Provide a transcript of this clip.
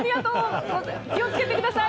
気をつけてください。